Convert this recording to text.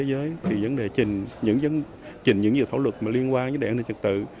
vấn đề trình những dự án luật liên quan đến đảm bảo an ninh trật tự